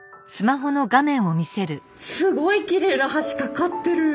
すごいきれいな橋架かってる！